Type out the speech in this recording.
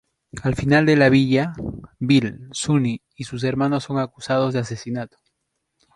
Al final de La villa vil, Sunny y sus hermanos son acusados de asesinato.